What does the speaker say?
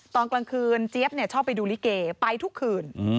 ตอนกลางคืนเจี๊ยบชอบไปดูลิเกไปทุกคืน